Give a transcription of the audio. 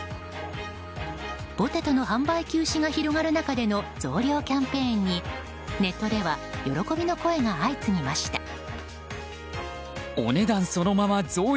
ポテトの販売休止が広がる中での増量キャンペーンにネットでは喜びの声が相次ぎました。